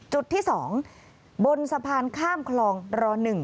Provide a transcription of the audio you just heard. จุดที่๒บนสะพานข้ามคลองร๑